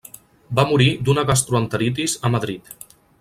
Va morir d'una gastroenteritis a Madrid.